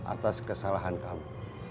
atas kesalahan kamu